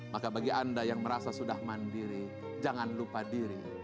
maka bagi anda yang merasa sudah mandiri jangan lupa diri